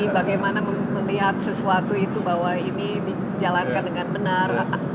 bagaimana melihat sesuatu itu bahwa ini dijalankan dengan benar